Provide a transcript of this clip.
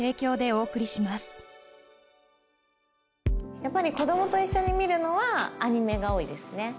やっぱり子供と一緒に見るのはアニメが多いですね